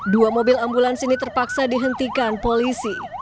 dua mobil ambulans ini terpaksa dihentikan polisi